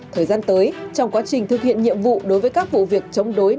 thời gian tới trong quá trình thực hiện nhiệm vụ đối với các vụ việc chống đối